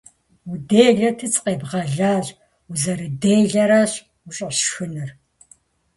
- Уделэти, сыкъебгъэлащ. Узэрыделэращ ущӏэсшхынур.